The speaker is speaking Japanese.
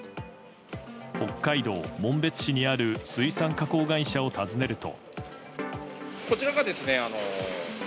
北海道紋別市にある水産加工会社を訪ねると。